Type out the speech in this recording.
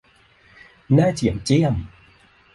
หน้าเจี๋ยมเจี้ยม